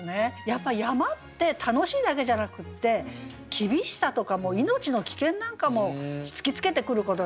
やっぱ山って楽しいだけじゃなくて厳しさとか命の危険なんかも突きつけてくることがありますよね。